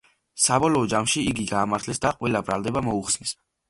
საბოლოო ჯამში იგი გაამართლეს და ყველა ბრალდება მოუხსნეს.